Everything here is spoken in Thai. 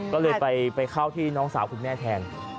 ก็เลยไปเข้าที่น้องสาวคุณแม่แทน